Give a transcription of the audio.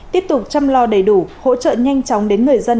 tiếp tục chăm lo đầy đủ hỗ trợ nhanh chóng đến người dân